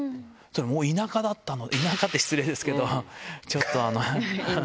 もう田舎だったので、田舎って失礼ですけど、ちょっとあの。